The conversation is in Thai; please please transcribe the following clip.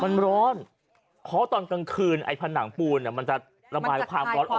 มันร้อนเพราะตอนกลางคืนไอ้ผนังปูนมันจะระบายความร้อนออก